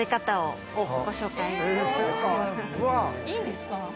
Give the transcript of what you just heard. いいんですか？